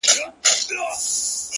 ساقي خو ښه دی خو بيا دومره مهربان ښه دی